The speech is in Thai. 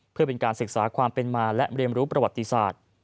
เพื่อเป็นการศึกษาความเป็นมาและเรียนรู้ประวัติศาสตร์